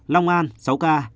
long an sáu ca